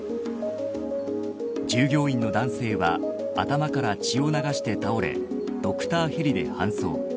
従業員の男性は頭から血を流して倒れドクターヘリで搬送。